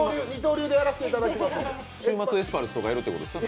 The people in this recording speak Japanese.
二刀流でやらせていただきますんで。